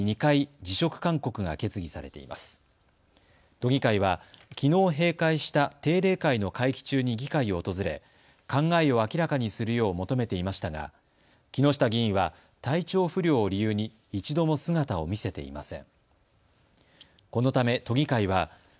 都議会は、きのう閉会した定例会の会期中に議会を訪れ考えを明らかにするよう求めていましたが木下議員は体調不良を理由に一度も姿を見せていません。